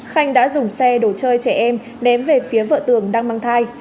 khanh đã dùng xe đồ chơi trẻ em ném về phía vợ tường đang mang thai